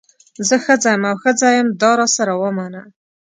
زه ښځه یم او ښځه یم دا راسره ومنه.